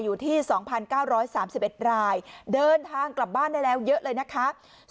อยู่ที่๒๙๓๑รายเดินทางกลับบ้านได้แล้วเยอะเลยนะคะ